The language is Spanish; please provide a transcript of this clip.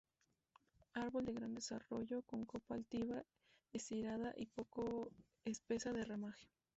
Árbol de gran desarrollo, con copa altiva estirada y poco espesa de ramaje.